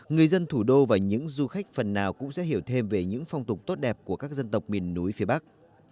người dân thủ đô và những du khách phần nào cũng sẽ hiểu thêm về những phong tục tốt đẹp của các dân tộc miền núi phía bắc